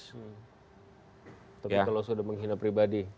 tapi kalau sudah menghina pribadi